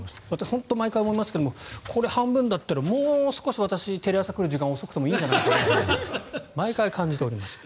本当に毎回やりますがこれ、半分だったらもう少し、私、テレ朝来る時間遅くてもいいんじゃないかなと毎回感じております。